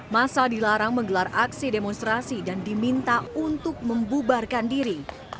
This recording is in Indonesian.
masa dilarang menggelar aksi demonstrasi dan diminta untuk membubarkan diri